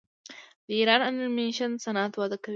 د ایران انیمیشن صنعت وده کوي.